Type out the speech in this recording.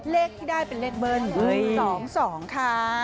เลขที่ได้เป็นเลขเบิ้ล๒๒ค่ะ